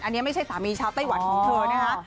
อันนี้ไม่ใช่สามีชาวไต้หวันของเธอนะคะ